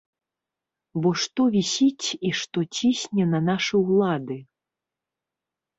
Бо што вісіць і што цісне на нашы ўлады?